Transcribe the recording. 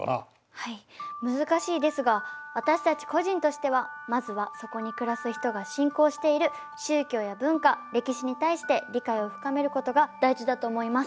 難しいですが私たち個人としてはまずはそこにくらす人が信仰している宗教や文化・歴史に対して理解を深めることが大事だと思います。